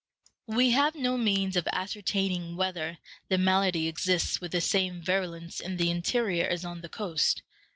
We have no means of ascertaining whether the malady exists with the same virulence in the interior as on the coast.